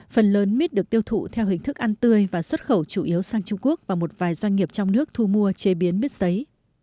phần lớn mít được tiêu thụ theo hình thức ăn tươi và xuất khẩu chủ yếu sang trung quốc và một vài doanh nghiệp trong nước thu mua chế biến mít giấy